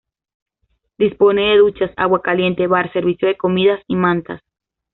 Dispone de duchas, agua caliente, bar, servicio de comidas y mantas.